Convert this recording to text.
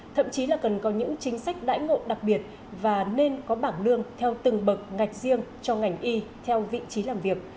thậm chí là cần có những chính sách đãi ngộ đặc biệt và nên có bảng lương theo từng bậc ngạch riêng cho ngành y theo vị trí làm việc